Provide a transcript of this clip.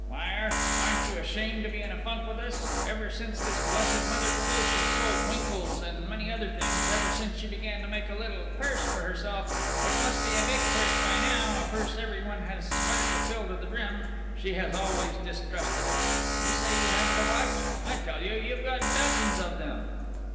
"Liar! Aren't you ashamed to be in a funk with us?... Ever since this blessed Mother Toulouche has sold winkles and many other things, ever since she began to make a little purse for herself, which must be a big purse by now, a purse everyone here has sweated to fill to the brim, she has always distrusted us!... You say you haven't a watch! I tell you, you've got dozens of 'em!..."